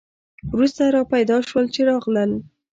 وروسته را پیدا شول چې راغلل.